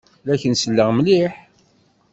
La ak-n-selleɣ mliḥ.